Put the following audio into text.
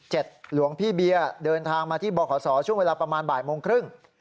หลวงพี่เบียร์เดินทางมาที่บขศช่วงเวลาประมาณบ่ายโมงครึ่ง